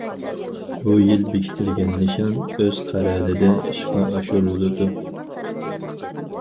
بۇ يىل بېكىتىلگەن نىشان ئۆز قەرەلىدە ئىشقا ئاشۇرۇلىدۇ.